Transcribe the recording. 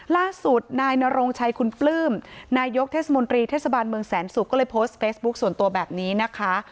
ล่าสุดนายนโรงชัยคุณปลื้มนายกเทศมนตรีเทศบาลเมืองแสนศุกร์ก็เลยโพสต์เฟซบุ๊คส่วนตัวแบบนี้นะคะ